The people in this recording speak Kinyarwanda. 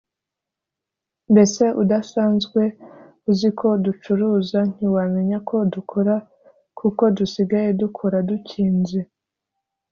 mbese udasanzwe uziko ducuruza ntiwamenya ko dukora kuko dusigaye dukora dukinze